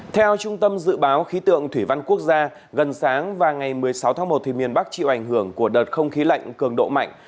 theo trung tâm dự báo khí tượng thủy văn quốc gia gần sáng và ngày một mươi sáu tháng một thì miền bắc chịu ảnh hưởng của đợt không khí lạnh cường độ mạnh